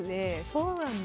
そうなんだ。